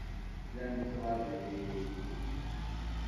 La nettṛaju tiririt-nnem.